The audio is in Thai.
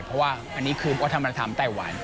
เพราะว่าอันนี้คือวัฒนธรรมไต้หวัน